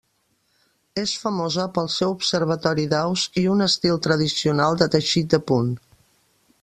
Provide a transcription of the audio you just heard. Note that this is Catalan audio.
És famosa pel seu observatori d'aus i un estil tradicional de teixit de punt.